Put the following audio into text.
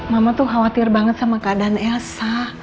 mama tuh khawatir banget sama keadaan elsa